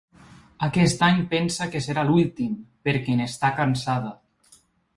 Aquest any pensa que serà l’últim, perquè n’està cansada.